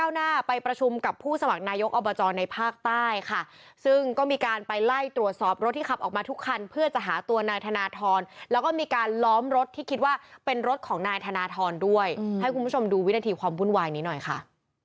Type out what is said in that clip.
ให้คุณผู้ชมดูวินาทีความวุ่นวายนี้หน่อยค่ะ